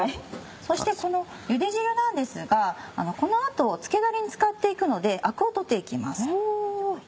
そしてこのゆで汁なんですがこの後つけだれに使って行くのでアクを取って行きます。